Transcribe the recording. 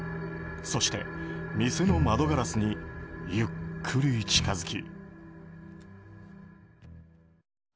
そして、店の窓ガラスにゆっくり近づき。